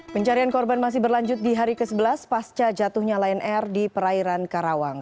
pencarian korban masih berlanjut di hari ke sebelas pasca jatuhnya lion air di perairan karawang